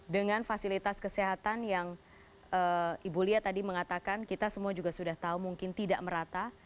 dengan fasilitas kesehatan yang ibu lia tadi mengatakan kita semua juga sudah tahu mungkin tidak merata